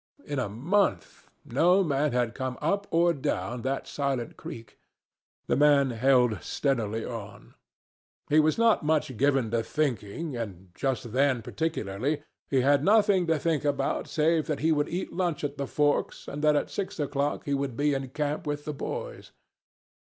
In a month no man had come up or down that silent creek. The man held steadily on. He was not much given to thinking, and just then particularly he had nothing to think about save that he would eat lunch at the forks and that at six o'clock he would be in camp with the boys.